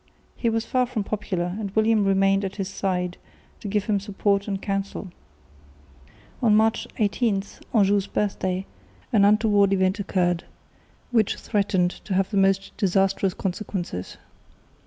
He was far from popular, and William remained at his side to give him support and counsel. On March 18 (Anjou's birthday) an untoward event occurred, which threatened to have most disastrous consequences.